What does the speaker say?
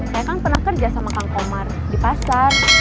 saya kan pernah kerja sama kang komar di pasar